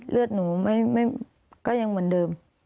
เลือดหนูก็ยังเหมือนเดิม